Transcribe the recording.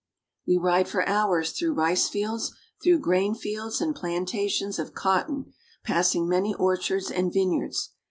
We ride for hours through rice fields, through grain fields and plantations of cotton, passing many orchards and vineyards.